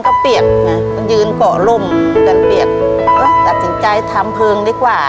ทับผลไม้เยอะเห็นยายบ่นบอกว่าเป็นยังไงครับ